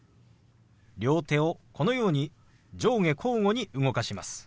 両手をこのように上下交互に動かします。